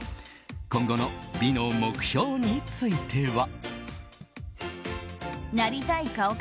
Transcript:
今後の美の目標については。